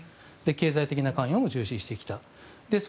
経済的な関係も重視してきた。